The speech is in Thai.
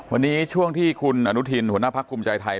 วันนี้ช่วงที่คุณอนุทินหัวหน้าพักภูมิใจไทย